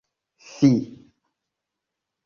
fi